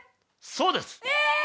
そうです。